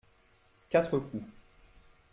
Quatre coups.